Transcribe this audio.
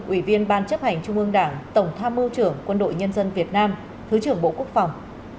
ủy viên ban chấp hành trung ương đảng tổng tham mưu trưởng quân đội nhân dân việt nam thứ trưởng bộ quốc phòng